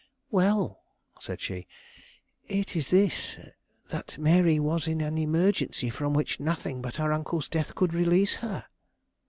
"Well," said she, "it is this; that Mary was in an emergency from which nothing but her uncle's death could release her."